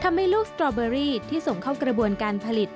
ทำให้ลูกสตรอเบอรี่ที่ส่งเข้ากระบวนการผลิต